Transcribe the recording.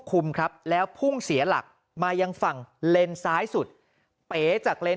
คุมครับแล้วพุ่งเสียหลักมายังฝั่งเลนซ้ายสุดเป๋จากเลน